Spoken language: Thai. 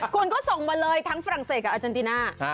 คุณก็ส่งมาเลยทั้งฝรั่งเศสกับอาเจนติน่า